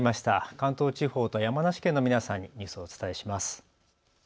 関東地方と山梨県の皆さんにニュースをお伝えします。